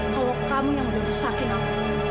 kalau kamu yang udah rusakin aku